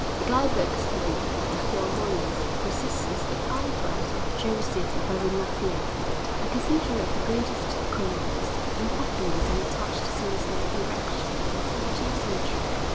The guide books tell you that Xiormonez possesses the eyebrows of Joseph of Arimathea, a cathedral of the greatest quaintness, and battlements untouched since their erection in the fourteenth century.